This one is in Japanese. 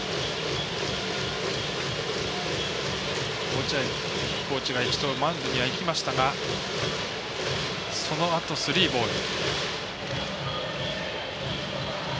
落合コーチが一度マウンドにいきましたがそのあとスリーボール。